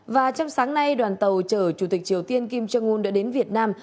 và trong sáng nay đoàn tàu chở chủ tịch triều tiên kim jong un đã đến việt nam